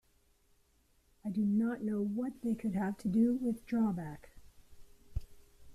I do not know what they could have to do with "Drawback"?!